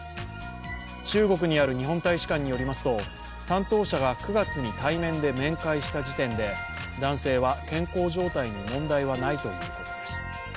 中国にある日本大使館によりますと担当者が９月に面会した時点で男性は、健康状態に問題はないということです。